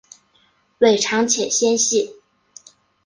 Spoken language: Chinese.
尾长且纤细。